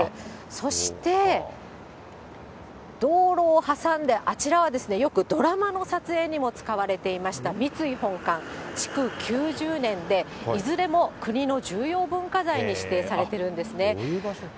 そして、道路を挟んであちらはですね、よくドラマの撮影にも使われていました、三井本館、築９０年で、いずれも国の重要文化財に指定されてるんですね。